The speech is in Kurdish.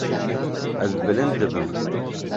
Ez bilind dibim.